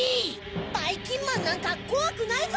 ばいきんまんなんかこわくないぞ！